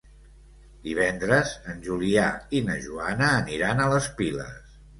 Divendres en Julià i na Joana aniran a les Piles.